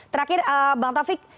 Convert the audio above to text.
terakhir bang taufik